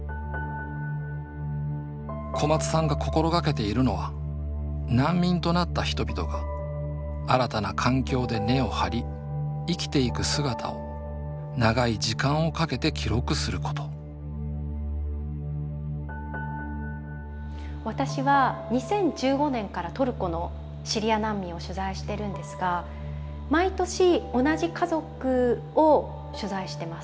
小松さんが心掛けているのは難民となった人々が新たな環境で根を張り生きていく姿を長い時間をかけて記録すること私は２０１５年からトルコのシリア難民を取材してるんですが毎年同じ家族を取材してます。